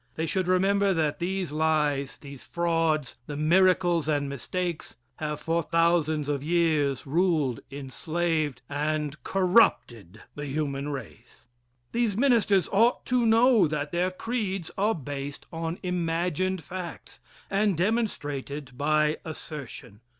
They should remember that these lies, these frauds, the miracles and mistakes, have for thousands of years ruled, enslaved, and corrupted the human race. These ministers ought to know that their creeds are based on imagined facts and demonstrated by assertion.